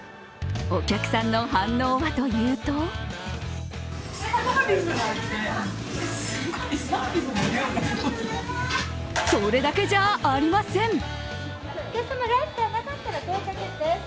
お客さんの反応はというとそれだけじゃありません。